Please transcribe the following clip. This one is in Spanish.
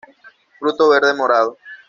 Fruto verde morado.